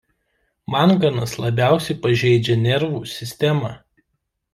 Manganas labiausiai pažeidžia nervų sistemą.